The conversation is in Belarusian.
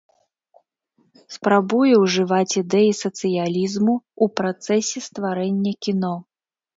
Спрабуе ўжываць ідэі сацыялізму ў працэсе стварэння кіно.